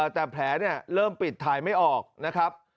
แต่แผลเริ่มปิดถ่ายไม่ออกนะครับ